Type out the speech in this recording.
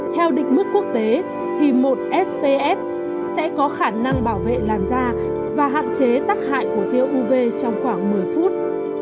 theo định mức quốc tế thì một spf sẽ có khả năng bảo vệ làn da và hạn chế tắc hại của tiêu uv trong khoảng một mươi phút